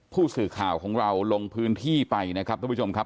ผู้สื่อข่าวของเราลงพื้นที่ไปนะครับทุกผู้ชมครับ